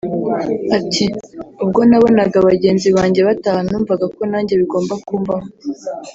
Ati “Ubwo nabonaga bagenzi banjye bataha numvaga ko nanjye bigomba kumbaho